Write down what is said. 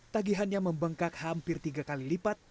tagihannya membengkak hampir tiga kali lipat